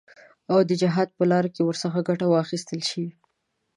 او د جهاد په لاره کې ورڅخه ګټه واخیستل شي.